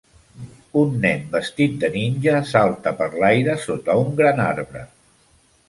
Un nen vestit de ninja salta per l'aire sota un gran arbre.